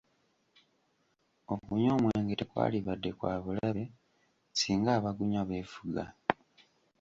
Okunywa omwenge tekwalibadde kwa bulabe singa abagunywa beefuga.